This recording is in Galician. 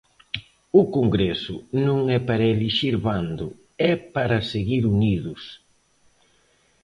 O congreso non é para elixir bando, é para seguir unidos.